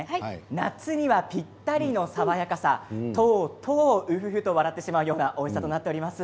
夏にはぴったりの爽やかさとう、とう、うふふと笑ってしまうおいしさです。